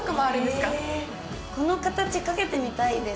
この形、かけてみたいです。